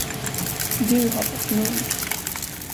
Du har fått nog.